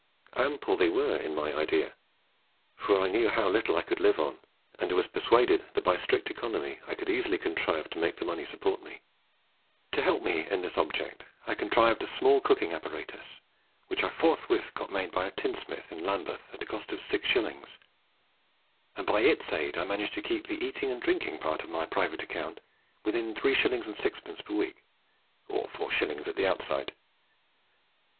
Ample they were in my idea; for I knew how little I could live on, and was persuaded that by strict economy I could easily contrive to make the money support me. To help me in this object, I contrived a small cooking apparatus, which I forthwith got made by a tinsmith in Lambeth, at a cost of 6s., and by its aid I managed to keep the eating and drinking part of my private account within 3s. 6d. per week, or 4s. at the outside.